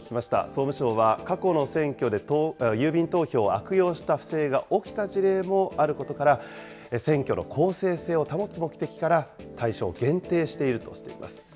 総務省は選挙で、郵便投票を悪用した不正が起きた事例もあることから、選挙の公正性を保つ目的から、対象を限定しているとしています。